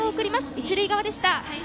一塁側でした。